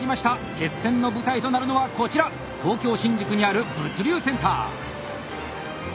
決戦の舞台となるのはこちら東京・新宿にある物流センター。